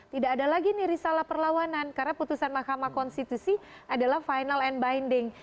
tidak ada lagi nih risalah perlawanan karena putusan mahkamah konstitusi adalah final and binding